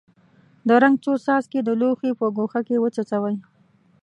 د رنګ څو څاڅکي د لوښي په ګوښه کې وڅڅوئ.